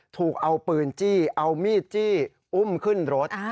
ถูกเอาปืนจี้เอามีดจี้อุ้มขึ้นรถ